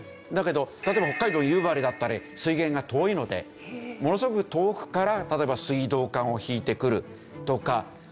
だけど例えば北海道夕張だったら水源が遠いのでものすごく遠くから例えば水道管を引いてくるとか。